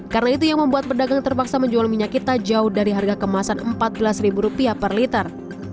karena itu yang membuat pedagang terpaksa menjual minyak kita jauh dari harga kemasan empat belas ribu rupiah per liter